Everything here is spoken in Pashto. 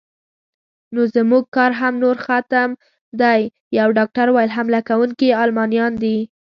نو زموږ کار هم نور ختم دی، یو ډاکټر وویل: حمله کوونکي المانیان دي.